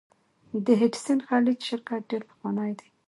د هډسن خلیج شرکت ډیر پخوانی دی.